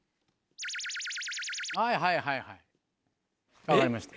はいはいはいはい分かりました。